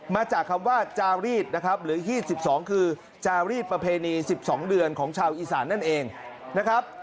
มาจากคำว่าจารีดนะครับหรือ๒๒คือจารีดประเพณี๑๒เดือนของชาวอีสานนั่นเองนะครับ